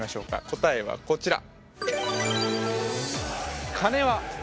答えはこちら。